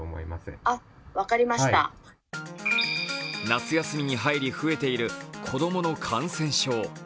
夏休みに入り増えている子供の感染症。